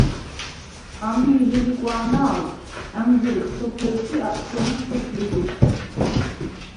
ამი̄ ჟი ლიკვა̄ნა̄ლვ ა̈მზჷრიხ სოფელს ი აჭთუნეხ სოფლი ქვითს.